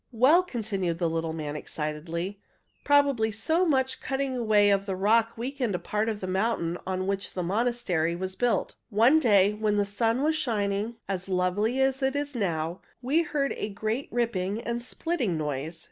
"Well," continued the little man excitedly, "probably so much cutting away of the rock weakened a part of the mountain on which the monastery was built. One day, when the sun was shining as lovely as it is now, we heard a great ripping and splitting noise.